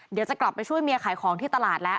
เดี๋ยวจะกลับไปช่วยเมียขายของที่ตลาดแล้ว